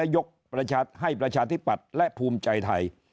ยกพระชาติให้ประชาธิปัติและภูมิใจไทย